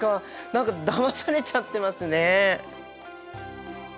何かだまされちゃってますね。